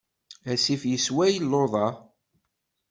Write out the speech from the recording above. Asif yessesway luḍa.